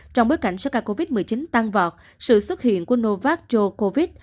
trong bối cảnh số ca covid một mươi chín tăng vọt sự xuất hiện của novak dokovic